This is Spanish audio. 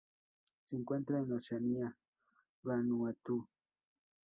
Se encuentra en Oceanía: Vanuatu.